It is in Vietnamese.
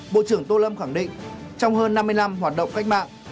bộ trưởng tô lâm khẳng định trong hơn năm mươi năm hoạt động cách mạng